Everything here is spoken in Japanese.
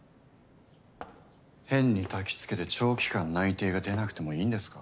変にたきつけて長期間内定が出なくてもいいんですか？